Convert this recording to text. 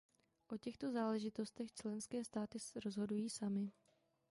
O těchto záležitostech členské státy rozhodují samy.